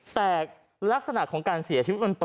แต่ลักษณะของการเสียชีวิตมัน